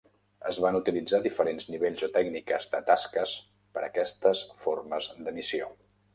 Es van utilitzar diferents nivells o tècniques de tasques per aquestes formes de missió.